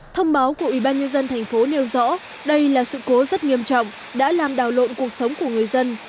thông báo của ubnd tp nêu rõ đây là sự cố rất nghiêm trọng đã làm đào lộn cuộc sống của người dân